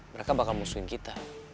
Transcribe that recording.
mereka bakal musuhin kita